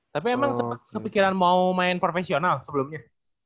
tapi emang kepikiran mau main profesional sebelumnya